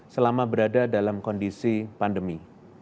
selama berada dalam kondisi pandemi